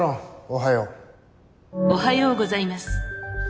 おはようございます。